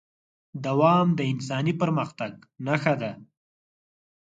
دوام د انساني پرمختګ نښه ده.